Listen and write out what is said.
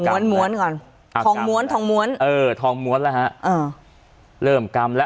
้วนม้วนก่อนอ่าทองม้วนทองม้วนเออทองม้วนแล้วฮะอ่าเริ่มกรรมแล้ว